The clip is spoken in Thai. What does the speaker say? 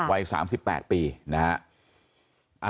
วัย๓๘ปีนะฮะ